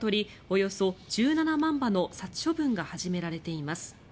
およそ１７万羽の殺処分が始められています。